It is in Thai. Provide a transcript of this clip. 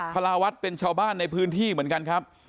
พระราวัฒน์เป็นชาวบ้านในพื้นที่เหมือนกันครับ